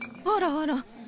あらあら。